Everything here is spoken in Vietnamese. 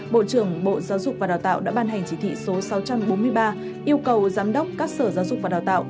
bộ trưởng bộ giáo dục và đào tạo đã ban hành chỉ thị số sáu trăm bốn mươi ba yêu cầu giám đốc các sở giáo dục và đào tạo